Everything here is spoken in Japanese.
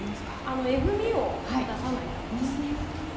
えぐみを出さないためですね。